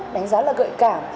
đánh giá là gợi cảm